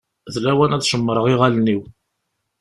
D lawan ad cemmṛeɣ iɣallen-iw.